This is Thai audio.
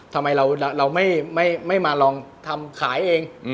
ทำไมเราไม่มาลองทำขายเอง